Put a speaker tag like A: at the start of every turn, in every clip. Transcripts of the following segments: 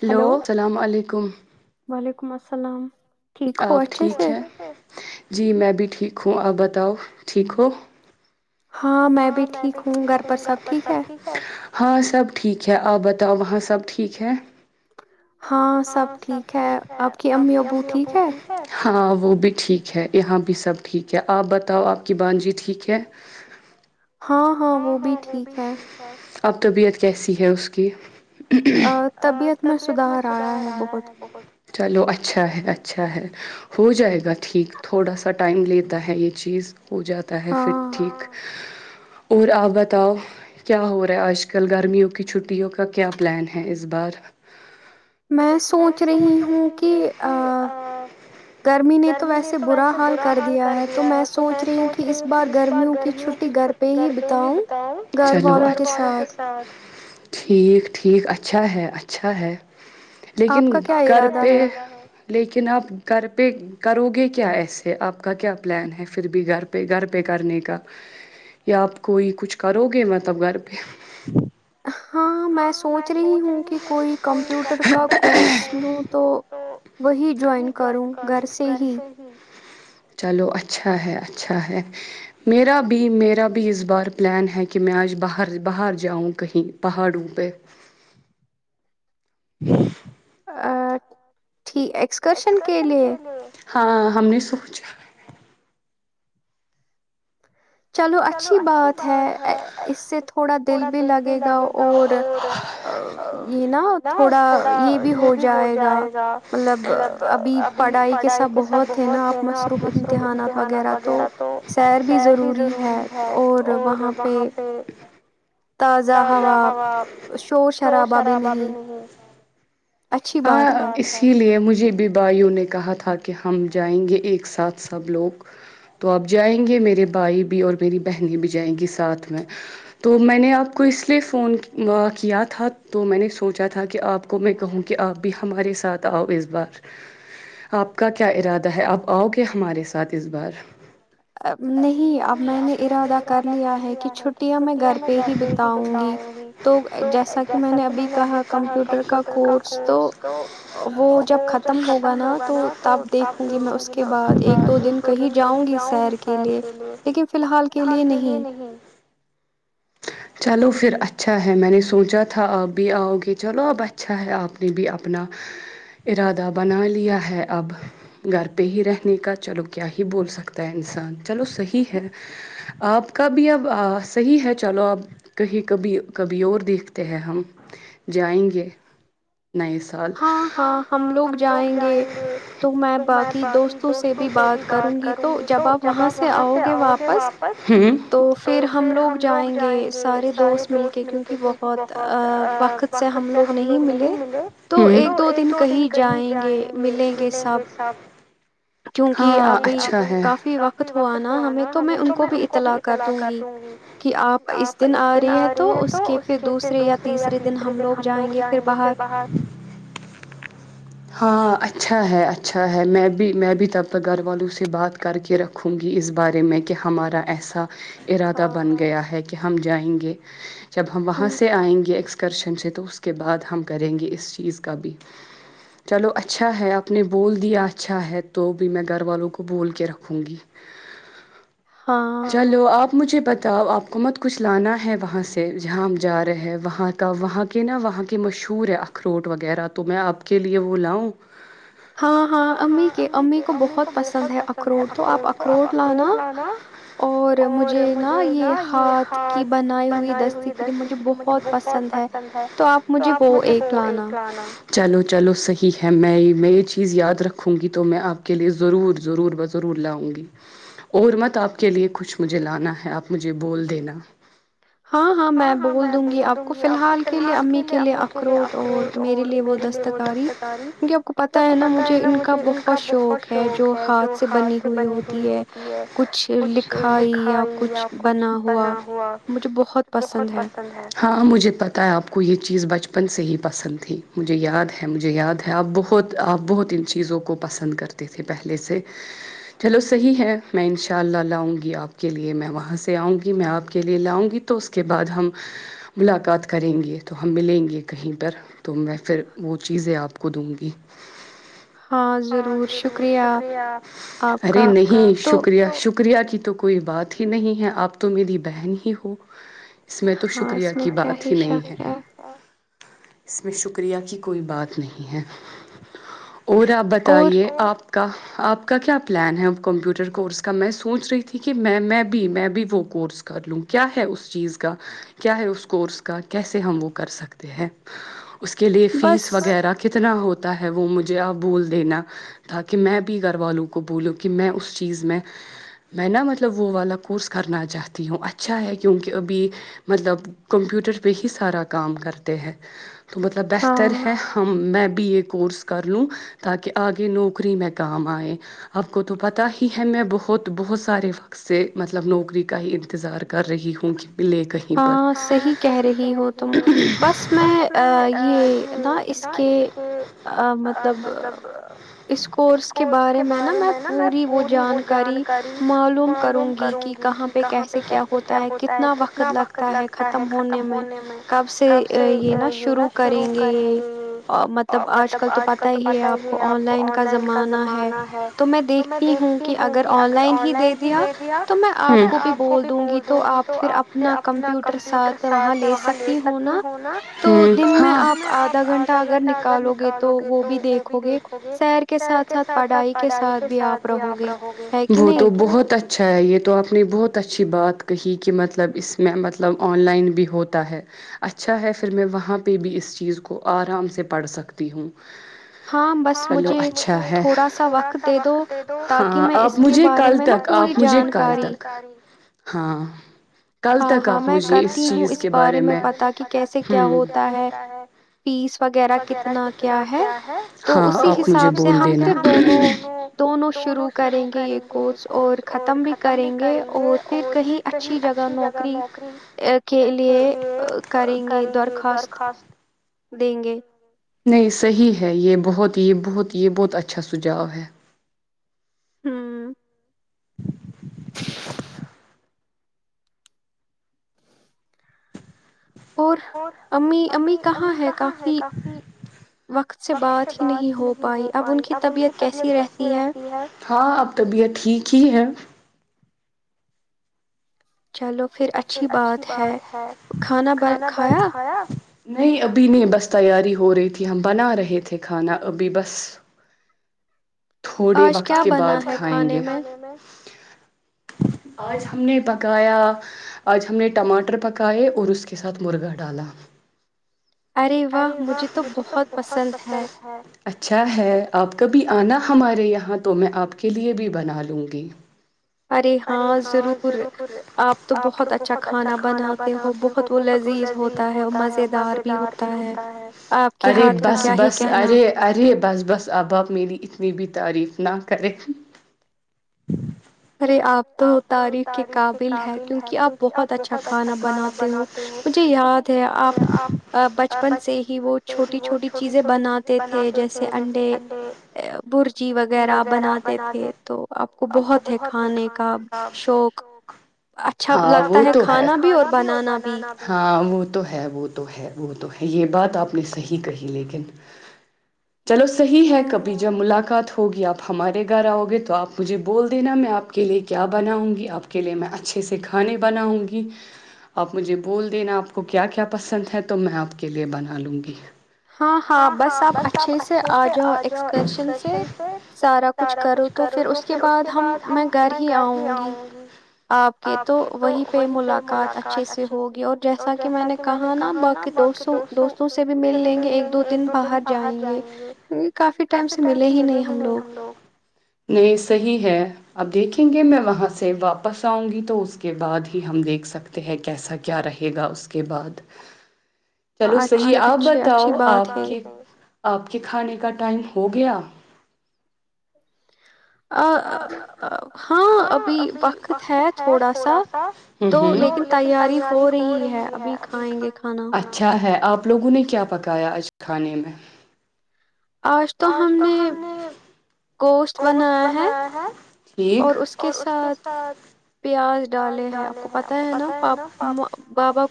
A: hello السلام علیکم
B: سلام ٹھیک ہو اچھے سے
A: جی میں بھی ٹھیک ہوں آپ بتاؤ ٹھیک ہو ہاں میں بھی ٹھیک ہوں گا ہاں سب ٹھیک ہے آپ بتاو وہاں سب ٹھیک ہے
B: ہاں سب ٹھیک ہے آپ کی امی ابو ٹھیک ہے
A: ہاں وہ بھی ٹھیک ہے یہاں بھی سب ٹھیک ہے آپ بتاؤ آپ کی بان جی ٹھیک ہے
B: ہاں ہاں وہ بھی ٹھیک ہے
A: اب طبیعت کیسی ہے اس کی طبیعت میں سدھار آیا ہے بہت چلو اچھا اچھا ہے اچھا ہے ہو جائے گا ٹھیک تھوڑا سا ٹائم لیتا ہے یہ چیز ہو جاتا ہے پھر ٹھیک اور آپ بتاؤ کیا ہو رہا ہے آج کل گرمیوں کی چھٹیوں کا کیا پلان ہے اس بار
B: میں سوچ رہی ہوں کہ ا گرمی نے تو ویسے برا حال کر دیا ہے تو میں سوچ رہی ہوں کہ اس بار گرمیوں کی چھٹی گھر پہ ہی
A: کر تو ہی بتاؤ گھر والوں کے ساتھ ٹھیک ٹھیک اچھا ہے اچھا ہے لیکن گھر پہ لیکن آپ گھر پہ کرو گے کیا ایسے آپ کا کیا پلان ہے پھر بھی گھر پہ گھر پہ کرنے کا یا آپ کوئی کچھ کرو گے مطلب گھر پہ
B: ہاں میں سوچ رہی ہوں کہ کوئی کمپیوٹر کا کورس لوں تو وہی جوائن کروں گھر سے ہی
A: چلو اچھا ہے اچھا ہے میرا بھی میرا اس بار پلان ہے کہ میں آج باہر باہر جاؤں کہیں پہاڑوں پہ ہ
B: آ
A: ایکسکرشن کے لیے ہاں ہم نے سوچا
B: چلو اچھی بات ہے اس سے تھوڑا دل بھی لگے گا اور یہ نا تھوڑا یہ بھی ہو جائے گا مطلب ابھی پڑھائی کے سب بہت ہے نا آپ مصروف امتحانات وغیرہ تو سیر بھی ضرور ہے اور وہاں پہ
A: ج [unintelligible]
B: تازہ ہوا شور شرابہ بھی نہیں
A: ہاں اسی لیے مجھے جی بی بھائیوں نے کہا تھا کہ ہم جائیں گے ایک ساتھ سب لوگ تو آپ جائیں گے میرے بھائی بھی اور میری بہنی بھی جائیں گی ساتھ میں تو میں نے آپ کو اس لیے فون کیا تھا تو میں نے سوچا تھا کہ آپ کو میں کہوں کہ آپ بھی ہمارے ساتھ آؤ اس بار آپ کا کیا ارادہ ہے آپ آؤ گے ہمارے ساتھ اس بار
B: نہیں اب میں نے ارادہ کر لیا ہے کہ چھٹیاں میں گھر پہ ہی بتاؤں گی تو جیسا کہ میں نے ابھی کہا کمپیوٹر کا کورس
A: تو وہ جب ختم ہوگا نا تو آپ دیکھو گی میں اس کے بعد ایک دو دن کہیں جاؤں
B: سیر کے لیے لیکن فی الحال کے لیے نہیں
A: چلو پھر اچھا ہے میں نے سوچا تھا آپ بھی آؤ گے چلو اب اچھا ہے آپ نے بھی اپنا ارادہ بنا لیا ہے اب گھر پہ ہی رہنے کا چلو کیا ہی بول سکتا ہے انسان چلو صحیح ہے آپ کا بھی اب صحیح ہے چلو اب کہیں کبھی کبھی اور دیکھتے ہیں ہم جائیں گے ن سال ہاں ہاں ہم لوگ جائیں گے تو میں باقی دوستوں سے بھی بات کروں گی تو جب آپ وہاں سے آؤ گے واپس تو پھر ہم لوگ جائیں گے سارے دوست ملتے تھے کہ بہت وقت سے ہم لوگ نہیں ہیلو [unintelligible] تو ایک دو دن کہیں جائیں گے ملیں گے سب ہاں اچھا ہے کافی وقت ہوا نا ہمیں تو میں ان کو بھی اطلاع کر دوں گی آپ اس دن آ رہی ہیں تو اس کے پھر دوسرے یا تیسرے دن ہم لوگ جائیں گے ہاں اچھا ہے اچھا ہے میں بھی میں بھی تب تک گھر والوں سے بات کر کے رکھوں گی اس بارے میں کہ ہمارا ایسا ارادہ بن گیا ہے کہ ہم جائیں گے [inaudible] جب ہم وہاں سے آئیں گے ایکس ایکسکرشن سے تو اس کے بعد ہم کریں گے اس چیز کا بھی چلو اچھا ہے آپ نے بول دیا اچھا ہے تو بھی میں گھر والوں کو بول کے رکھوں گی چلو آپ مجھے بتاؤ آپ کو مت کچھ لانا ہے وہاں سے جہاں ہم جا رہے ہیں وہاں کا وہاں کے نا وہاں کے مشہور اشہور ہے اخروٹ وغیرہ تو میں آپ کے لیے وہ لاؤں
B: ہاں ہاں امی کے امی کو بہت پسند ہے اخروٹ تو آپ اخروٹ لانا اور مجھے نا یہ ہاتھ کی بنائی ہوئی دست گیری مجھے بہت پسند ہے تو آپ مجھے
A: مجھے وہ ایک لانا چلو چلو صحیح ہے میں میں یہ چیز یاد رکھوں گی تو میں آپ کے لیے ضرور ضرور ب ضرور لاؤں گی اور مت آپ کے لیے کچھ مجھے لانا ہے آپ مجھے بول دینا
B: ہاں ہاں میں بول دوں گی آپ کو فی الحال کے لیے امی کے لیے اخروٹ اور میرے لیے وہ دستکاری کیونکہ آپ کو پت ہے نا مجھے ان کا بہت شوق ہے جو ہاتھ سے بنی ہوئی ہوتی ہے کچھ لکھائی یا کچھ بنا ہوا
A: بہت پسند ہاں مجھے پتہ ہے آپ کو یہ چیز بچ سے ہی پسند تھی مجھے یاد ہے مجھے یاد ہے آپ بہت آپ بہت ان چیزوں کو پسند کرتے تھے پہلے سے چلو صحیح ہے میں انشاء اللہ لاؤں گی آپ کے لیے میں وہاں سے آؤں گی میں آپ کے لیے لاؤں گی تو اس کے بعد ہم ملاقات کریں گے تو ہم ملیں گے کہیں پر [unintelligible] تو میں پھر وہ چیزیں آپ کو دوں گی ہاں ضرور شکریہ ارے نہیں شکریہ شک شکریہ کی تو کوئی بات ہی نہیں ہے آپ تو میری بہن ہی ہو اس میں تو شکریہ کی بات ہی نہیں ہے اس میں شکریہ کی کوئی بات نہیں ہے اور آپ بتائیے آپ کا آپ کا کیا پلان ہے اب کمپیوٹر کورس کا میں سوچ رہی تھی کہ میں میں بھی میں بھی وہ کورس کر لوں کیا ہے اس چیز کا کیا ہے اس کورس کا کیسے ہم وہ کر سکتے کہ اس کے لیے فیس وغیرہ کتنا ہو وہ مجھے آ بول دینا تھا کہ میں بھی گھر والوں کو بولوں کہ میں اس چیز میں میں نا مطلب وہ والا کورس کرنا چاہتی ہوں اچھا ہے کیونکہ ابھی مطلب کمپیوٹر پہ ہی سارا کام کرتا ت ہیں تو مطلب بہتر ہے ہم میں بی اے کورس کر لوں تاکہ آگے نوکری میں کام آئےیں آپ کو تو پت ہی ہے میں بہت بہت سارے وقت سے مطلب نوکری کا ہی انتظار کر رہی ہوں کہ
B: ہاں صحی کہہ رہی ہو تم بس
A: بس میں یہ نا اس کے مطلب اس کورس کے بارے میں نا میں پوری وہ جانکاری معلوم کروں گی کہ کہاں پہ کیسے کیا ہوتا ہے
B: ق لگتا ہے ختم ہونے میں کب سے یہ نا شروع کریں گے یہ مطلب آج کل تو پتا ہی ہے آپ کو آن لائن کا زمانہ ہے تو میں دیکھتی ہوں کہ اگر آن لائن ہی دے دیا تو میں آپ کو بھی بول دوں گی تو آپ پھر اپنا کمپیوٹر ساتھ وہاں لے سکتی ہوں نا
A: ہونااں میں آپ آدھا گھنٹہ اگر نکالو گے تو وہ بھی دیکھو گے پیر کے ساتھ ساتھ پڑھائی کے ساتھ بھی آپ رہو گے وہ تو بہت اچھا اچھا یہ تو آپ نے بہت اچھی بات کہی کہ مطلب اس میں مطلب آن لائن بھی ہوتا ہے اچھا ہے پھر میں وہاں پہ بھی اس چیز کو آرام سے پڑھ سکتی ہوں چلو اچھا ہے تھوڑا سا وقت دے دو ہاں آپ مجھے کل تک آپ مجھے کل تک ہاں کل تک آپ مجھے اس چیز کے بارے میں
B: کیسے کیا ہوتا ہے فیس وغیرہ کتنا کیا ہے تو اسی حساب سے ہم پھر دونوں دونوں شروع کریں گے یہ کورس اور ختم بھی کریں گے اور پھر کہیں اچھی جگہ نوکری کے لیے کریں گے درخواست دیں گے
A: نہیں صحیح ہے یہ بہت یہ بہت یہ بہت اچھا سجاؤ ہے
B: ہوں اور امی امی کہاں ہے کافی وقت سے بات ہی نہیں ہو پائی اب ان کی طبیعت کیسی رہتی ہے
A: ہاں اب طبیعت ٹھیک ہی ہے
B: چلو پھر اچھی بات ہے کھانا ب کھایا
A: نہیں ابھی نہیں بس تیاری ہو رہی تھی ہم بنا رہے تھے کھانا ابھی بس تھوڑے وقت کے بعد کھائیں گے آج ہم نے پکایا آج ہم نے ٹماٹر پکائے اور اس کے ساتھ مرغا ڈالا
B: ارے واہ مجھے تو بہت پسند ہے
A: اچھا ہے آپ کبھی آنا ہمارے یہاں تو میں آپ کے لیے بھی بنا لوں گی ارے ہاں ضرور آپ تو بہت اچھا کھانا بناتے ہو بہت وہ لذیذ ہوتا ہے مز دار بھی ہوتا ہے ارے بس بس ارے ارے بس بس اب ب آاپ میری اتنی بھی تعریف نہ کریں
B: ارے آپ تو تعریف کے قابل ہے کیونکہ آپ بہت اچھا کھانا بناتے ہو مجھے یاد ہے آپ بچپن سے ہی وہ چھوٹی چھوٹی چیزیں بناتے تھے جیسے انڈے برجی وغیرہ بناتے تھے تو آپ کو بہت ہی کا
A: شوق ہاں وہ تو ہے کھانا بھی اور بنانا بھی ہاں وہ تو ہے وہ تو ہے وہ تو ہے یہ بات آپ نے صحیح کہی لیکن چلو صحی ہے کب جب ملاقات ہو ہوگی آپ ہمارے گھر آؤ گے تو آپ مجھے بول دینا میں آپ کے لیے کیا بناؤں گی آپ کے لیے میں اچھے سے کھانے بناؤں گی آپ مجھے بول دینا آپ کو کیا کیا پسند ہے تو میں آپ کے لیے بنا لوں گی
B: ہاں ہاں بس آپ اچھے سے آ جاؤ ایکسکرشن سے سارا کچھ کرو تو پھر اس کے بعد ہم میں گھر ہی آؤں گی آپ کے تو وہیں پہ ملاقات اچھے سے ہوگی اور جیسا کہ میں نے کہا نا باقی دوست دوستوں سے بھی مل لیں گی
A: لیں گے ایک دو دن باہر جائیں گے کافی ٹائم سے ملے ہی نہیں ہم لوگ نہیں صحیح ہے اب گے میں وہاں سے واپس آؤں گی تو اس کے بعد ہی ہم دیکھ سکتے ہیں کیسا کیا رہے گا اس کے بعد چلو صحیح آپ بتاؤ آپ کی آپ کے کھانے کا ٹائم ہو گیا ہاں ابھی وقت ہے تھوڑا سا تو لیکن تیاری ہو رہی ہے ابھی کھائیں گے اچھا ہے ا آپ لوگوں نے کیا پکایا آج کھانے میں آج تو ہم نے گوشت بنایا ہے ٹھیک اور اس کے ساتھ پیاز ڈالے ہیں آپ کو پت ہے نا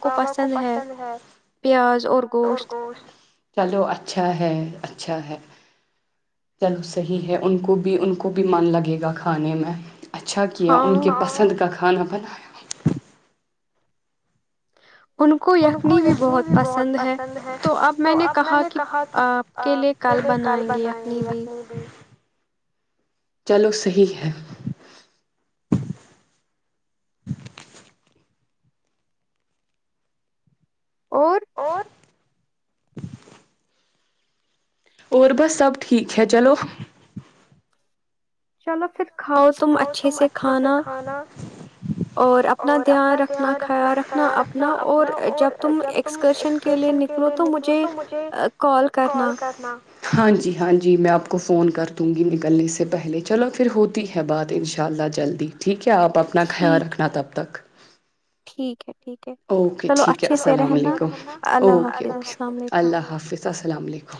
A: بابا کو پسند ہے پیاز اور گوشت چلو اچھا ہے اچھا ہے چلو صحیح ہے ان کو بھی ان کو بھی من لگے گا کھانے میں اچھا کیا ان کے پسند کا کھانا بنایا
B: ان کو یخنی بھی بہت پسند ہے تو اب میں نے کہا کہ آپ کے لیے کل بنائیں گے یخنی بھی
A: چلو صحی ہے
B: اور
A: اور بس سب ٹھیک ہے چلو
B: چلو پھر کھاؤ تم اچھے سے کھانا اور اپنا دھیان رکھنا خیال رکھنا اپنا اور جب تم ایکسکرشن کے لیے نکلو تو مجھے کال کرنا
A: ہاں جی ہاں جی میں آپ کو فون کر دوں گی نکلنے سے پہلے چلو پھر ہوتی ہے بات ان شاء اللہ جلدی ٹھیک ہے کیا آپ اپنا خیال رکھنا تھا تب تک
B: ٹھیک ہے
A: اوکے ٹھیک ہے السلام علیکم اوکے اوکے اللہ حافظ السلام علیکم